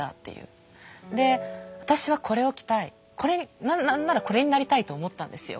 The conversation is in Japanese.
で私はこれを着たい何ならこれになりたいと思ったんですよ。